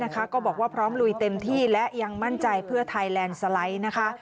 ก็บอกว่าพร้อมลุยเต็มที่และยังมั่นใจเพื่อไทยแลนด์สไลด์นะคะ